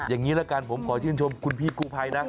อย่างนี้ละกันผมขอชื่นชมคุณพี่กู้ภัยนะ